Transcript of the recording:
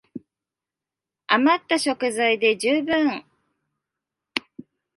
あまった食材で充分